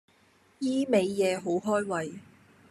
依味野好開胃